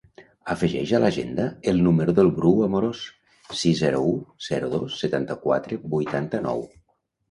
Afegeix a l'agenda el número del Bru Amoros: sis, zero, u, zero, dos, setanta-quatre, vuitanta-nou.